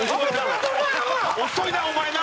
遅いなお前な！